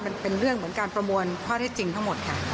มันเป็นเรื่องเหมือนการประมวลข้อเท็จจริงทั้งหมดค่ะ